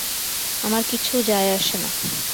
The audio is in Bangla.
আমার কিছু আসে যায় না।